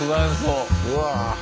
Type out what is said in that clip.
うわ。